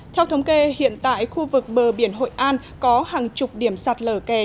theo thống kê hiện tại khu vực bờ biển hội an có hàng chục điểm sạt lở kè